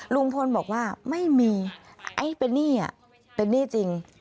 ลุงพลบอกว่าไม่มีไอ้เป็นหนี้เป็นหนี้จริง